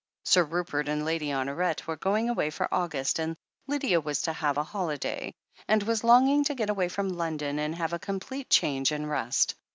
Sir Rupert and Lady Honoret were going away for August and Lydia was to have a holi day, and was longing to get away from London and have a complete change and rest.